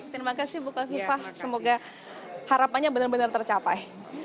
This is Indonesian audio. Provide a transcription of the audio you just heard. terima kasih bukal viva semoga harapannya benar benar tercapai